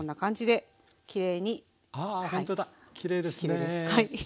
きれいですね。